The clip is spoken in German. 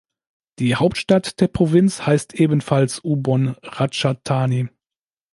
Die Hauptstadt der Provinz heißt ebenfalls Ubon Ratchathani.